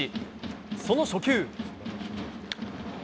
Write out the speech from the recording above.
その初球。